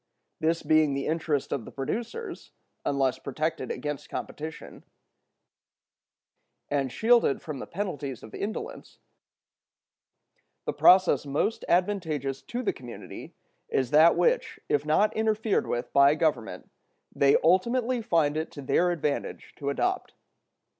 This being also the interest of the producers, unless protected against competition, and shielded from the penalties of indolence, the process most advantageous to the community is that which, if not interfered with by Government, they ultimately find it to their advantage to adopt.